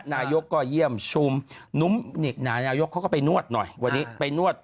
นายกก็เยี่ยมชุมนุ้มนายกเขาก็ไปนวดหน่อยวันนี้ไปนวด